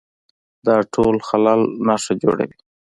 دا ټول خلل نښه جوړوي